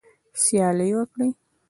سیالي وکړئ